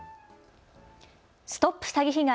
ＳＴＯＰ詐欺被害！